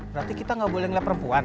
berarti kita gak boleh ngeliat perempuan